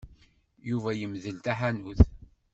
Yuba yemdel taḥanut.